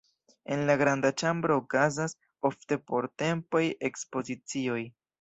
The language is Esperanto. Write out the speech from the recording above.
En la granda ĉambro okazas ofte portempaj ekspozicioj.